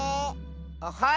あっはい！